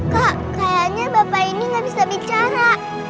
kok kayaknya bapak ini gak bisa bicara